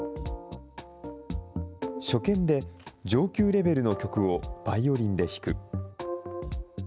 初見で上級レベルの曲をバイオリンで弾く。